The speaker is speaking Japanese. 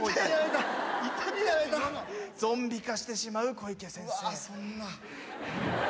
ゾンビ化してしまう小池先生。